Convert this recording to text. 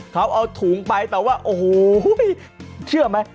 เขาเอาถุงไปแต่ว่าโอ้โหเชื่อไหม